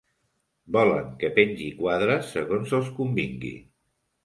Volen que pengi quadres segons els convingui.